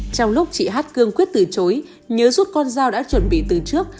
trong lúc chị hát cương quyết từ chối nhớ rút con dao đã chuẩn bị từ trước